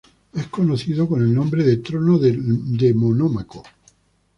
Es conocido con el nombre de ""Trono de Monómaco"".